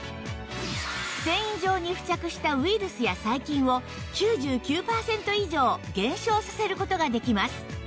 繊維上に付着したウイルスや細菌を９９パーセント以上減少させる事ができます